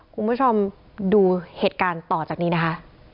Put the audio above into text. คุณผู้ชมดูเหตุการณ์ต่อจากนี้นะคะ